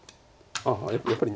ああやっぱり。